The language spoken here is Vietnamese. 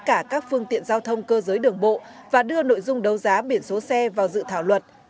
cả các phương tiện giao thông cơ giới đường bộ và đưa nội dung đấu giá biển số xe vào dự thảo luật